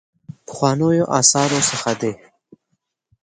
پخوانیو آثارو څخه دی.